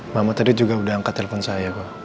mama tadi juga udah angkat telpon saya kok